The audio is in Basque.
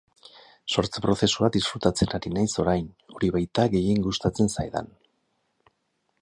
Sortze prozesua disfrutatzen ari naiz orain, hori baita gehien gustatzen zaidan.